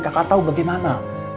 kakak tau bagaimana